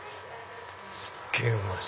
すっげぇうまし。